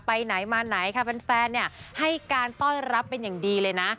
ไปไหนมาไหนค่ะแฟนเนี่ยให้การต้อนรับเป็นอย่างดีเลยนะ